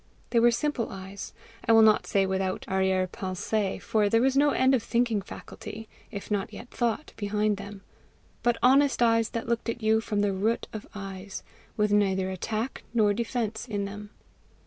They were simple eyes I will not say without arriere pensee, for there was no end of thinking faculty, if not yet thought, behind them, but honest eyes that looked at you from the root of eyes, with neither attack nor defence in them.